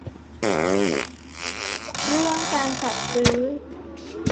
เรื่องการจัดซื้อ